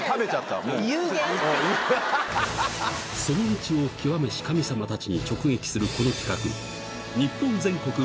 その道を究めし神様たちに直撃するこの企画